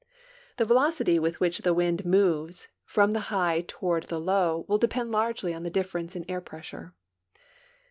The velocity with whicli the wind moves from the high toward the low will depend largely on the difference in air pressure.